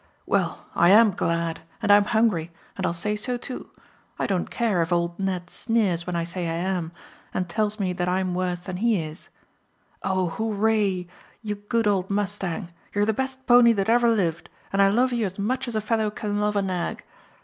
"Well, I am glad, and I am hungry, and I'll say so too. I don't care if old Ned sneers when I say I am, and tells me that I'm worse than he is. Oh, hooray! You good old mustang! You're the best pony that ever lived, and I love you as much as a fellow can love a nag.